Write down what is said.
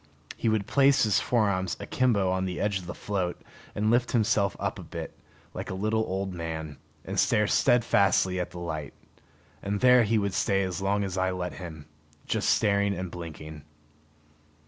He would place his forearms akimbo on the edge of the float, and lift himself up a bit, like a little old man, and stare steadfastly at the light. And there he would stay as long as I let him, just staring and blinking.